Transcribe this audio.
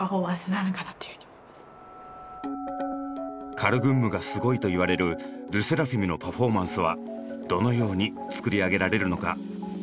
「カルグンム」がすごいと言われるＬＥＳＳＥＲＡＦＩＭのパフォーマンスはどのように作り上げられるのか。